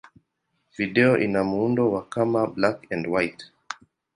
Video ina muundo wa kama black-and-white.